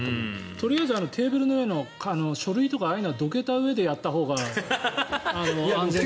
とりあえずテーブルの上の書類とかどけたうえでやったほうが安全かなと。